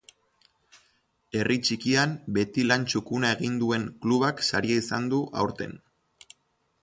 Herri txikian, beti lan txukuna egin duen klubak saria izan du aurten.